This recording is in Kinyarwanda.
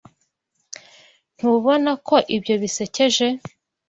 Ntubona ko ibyo bisekeje?